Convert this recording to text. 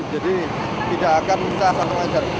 jadi tidak akan bisa mengajar